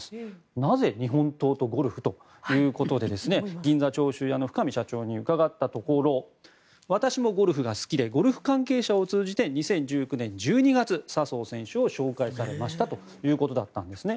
なぜ、日本刀とゴルフ？ということで銀座長州屋の深海社長に伺ったところ私もゴルフが好きでゴルフ関係者を通じて２０１９年１２月笹生選手を紹介されましたということだったんですね。